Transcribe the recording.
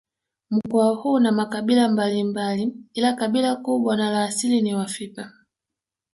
Mkoa huo una makabila mbalimbali ila kabila kubwa na la asili ni Wafipa